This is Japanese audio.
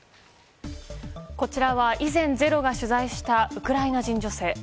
こちらは以前「ｚｅｒｏ」が取材した、ウクライナ人女性。